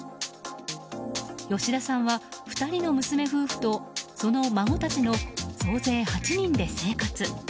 吉田さんは２人の娘夫婦とその孫たちの総勢８人で生活。